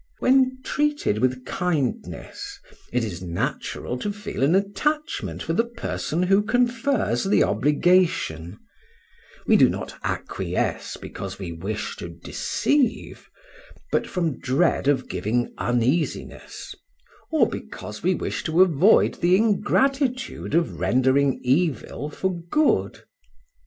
When treated with kindness, it is natural to feel an attachment for the person who confers the obligation; we do not acquiesce because we wish to deceive, but from dread of giving uneasiness, or because we wish to avoid the ingratitude of rendering evil for good.